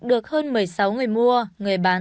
được hơn một mươi sáu người mua người bán